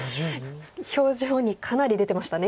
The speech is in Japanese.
表情にかなり出てましたね